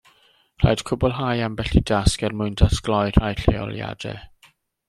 Rhaid cwblhau ambell i dasg er mwyn datgloi rhai lleoliadau.